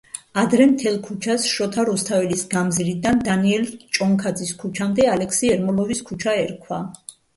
ადრე მთელ ქუჩას, შოთა რუსთაველის გამზირიდან დანიელ ჭონქაძის ქუჩამდე, ალექსი ერმოლოვის ქუჩა ერქვა.